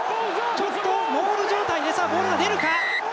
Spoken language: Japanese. ちょっとモール状態でボールが出るか。